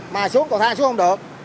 mà xuống cầu thang xuống không được